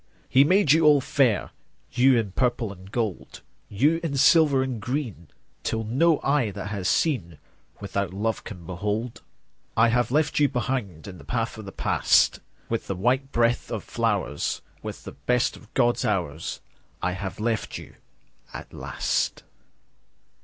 10 He made you all fair, You in purple and gold, You in silver and green, Till no eye that has seen Without love can behold. 15 I have left you behind In the path of the past, With the white breath of flowers, With the best of God's hours, I have left you at last.